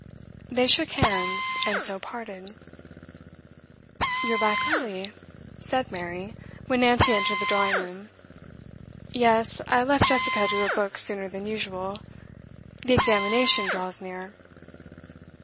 They shook hands and so parted. 'You're back early,' said Mary, when Nancy entered the drawing room. 'Yes. I left Jessica to her books sooner than usual. The examination draws near.